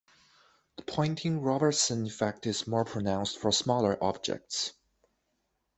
The Poynting-Robertson effect is more pronounced for smaller objects.